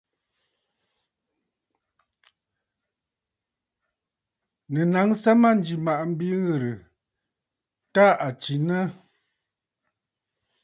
Nɨ̀ naŋsə mânjì M̀màꞌàmb ŋ̀ghɨrə t à tsinə!.